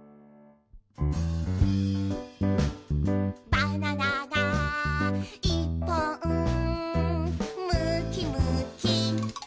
「バナナがいっぽん」「むきむきはんぶんこ！」